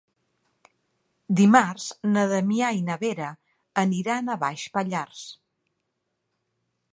Dimarts na Damià i na Vera aniran a Baix Pallars.